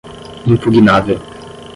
impugnável